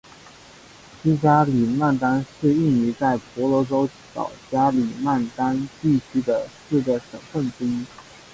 西加里曼丹是印尼在婆罗洲岛加里曼丹地区的四个省份之一。